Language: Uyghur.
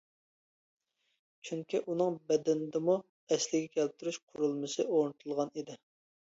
چۈنكى ئۇنىڭ بەدىنىدىمۇ ئەسلىگە كەلتۈرۈش قۇرۇلمىسى ئورنىتىلغان ئىدى.